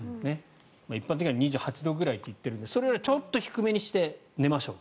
一般的には２８度くらいといっているんですがそれよりもちょっと低めにして寝ましょう。